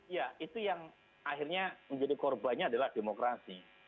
ya itu yang akhirnya menjadi korbannya adalah demokrasi